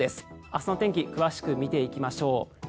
明日の天気詳しく見ていきましょう。